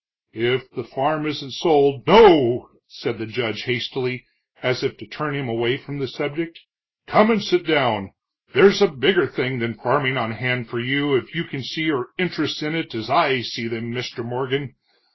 "If the farm isn't sold " "No," said the judge hastily, as if to turn him away from the subject. "Come in and sit down there's a bigger thing than farming on hand for you if you can see your interests in it as I see them, Mr. Morgan.